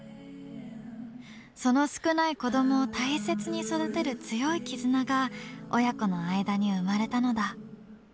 その少ない子どもを大切に育てる強い絆が親子の間に生まれたのだ。